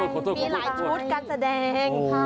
ขอโทษมีหลายชุดการแสดง